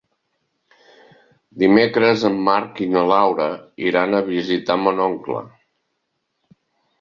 Dimecres en Marc i na Laura iran a visitar mon oncle.